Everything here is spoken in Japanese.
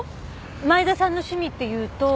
前田さんの趣味っていうと。